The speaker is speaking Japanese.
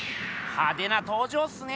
派手な登場っすね！